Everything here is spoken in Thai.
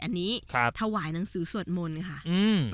อันนี้ถวายหนังสือสวดมนต์ค่ะอืม